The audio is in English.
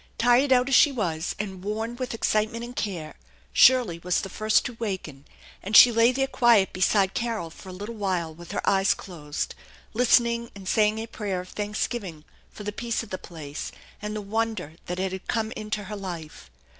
Tired out as she was and worn with excite ment and care, Shirley was the first to waken, and she lay there quiet beside Carol for a little while with her eyes closed, listening, and saying a prayer of thanksgiving for the peace of the place, and the wonder that it had come into her life.